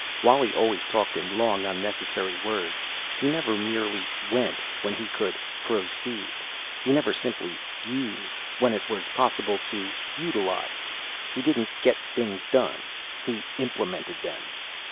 Wally always talked in long unnecessary words. He never merely "went" when he could "proceed," he never simply "used" when it was possible to "utilize," he didn't "get things done" he "implemented" them.